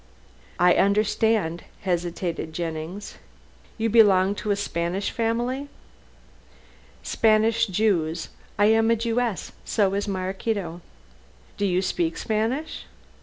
"I understand," hesitated Jennings, "you belong to a Spanish family?" "Spanish Jews. I am a Jewess, so is Maraquito." "Do you speak Spanish?"